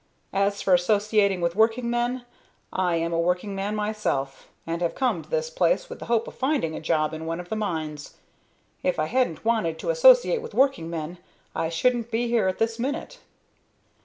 As for associating with working men, I am a working man myself, and have come to this place with the hope of finding a job in one of the mines. If I hadn't wanted to associate with working men I shouldn't be here at this minute."